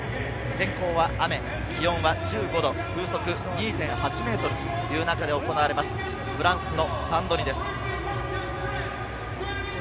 天候は雨、気温は１５度、風速２．８メートルという中で行われます、フランスのサンドニです。